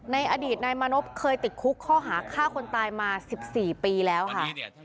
อดีตนายมานพเคยติดคุกข้อหาฆ่าคนตายมา๑๔ปีแล้วค่ะ